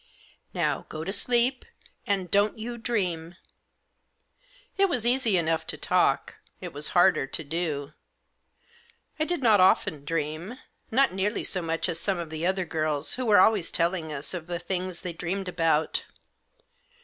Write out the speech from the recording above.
" Now go to sleep I and don't you dream !" It was easy enough to talk ; it was harder to do. I did not often dream. Not nearly so much as some of the other girls, who were always telling us of the things they dreamed about.